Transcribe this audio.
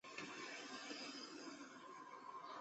杰克逊镇区为美国堪萨斯州吉里县辖下的镇区。